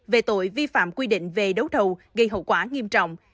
về tội vi phạm quy định về đấu thầu gây hậu quả nghiêm trọng